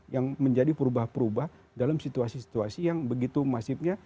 yang menjadi perubahan perubahan dalam situasi situasi yang begitu masifnya